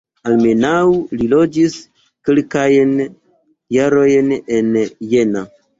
Almenaŭ li loĝis kelkajn jarojn en Jena.